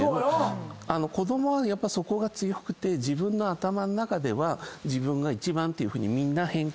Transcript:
子供はそこが強くて自分の頭の中では自分が一番ってみんな変換。